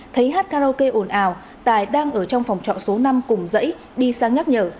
thấy hát karaoke ồn ào tài đang ở trong phòng trọ số năm cùng dãy đi sang nhắc nhở